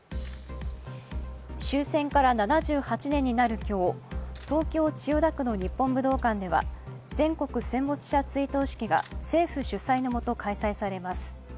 終戦から７８年になる今日、東京・千代田区の日本武道館では全国戦没者追悼式が政府主催のもと開催されます。